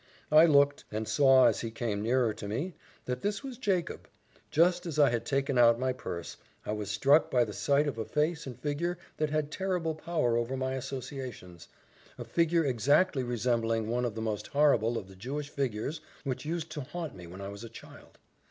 I looked, and saw, as he came nearer to me, that this was Jacob. Just as I had taken out my purse, I was struck by the sight of a face and figure that had terrible power over my associations a figure exactly resembling one of the most horrible of the Jewish figures which used to haunt me when I was a child.